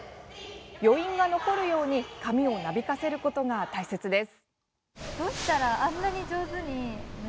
余韻が残るように髪をなびかせることが大切です。